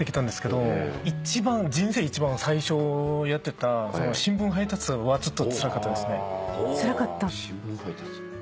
一番人生で一番最初やってた新聞配達はつらかったですね。